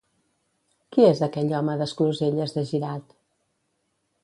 Qui és aquell home d'Escloselles de Girat?